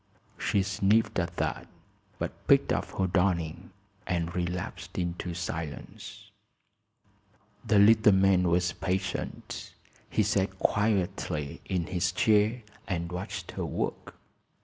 She sniffed, at that, but picked up her darning and relapsed into silence. The little man was patient. He sat quietly in his chair and watched her work.